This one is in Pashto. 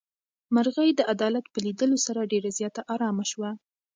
مرغۍ د عدالت په لیدلو سره ډېره زیاته ارامه شوه.